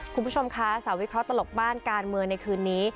คุณผู้ชมคะสาวิเคราะหลบบ้านการเมืองในคืนนี้